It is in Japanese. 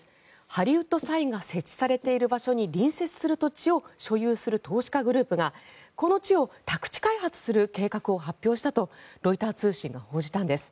ハリウッド・サインが設置されている場所に隣接する土地を所有する投資家グループがこの地を宅地開発する計画を発表したとロイター通信が報じたんです。